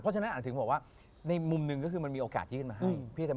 เพราะฉะนั้นถึงบอกว่าในมุมหนึ่งก็คือมันมีโอกาสยื่นมาให้